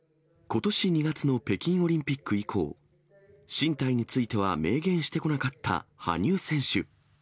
ことし２月の北京オリンピック以降、進退については明言してこなかった羽生選手。